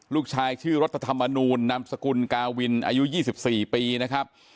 ลูกชายชื่อรัฐธรรมนูลนามสกุลกาวินอายุ๒๔ปีนะครับ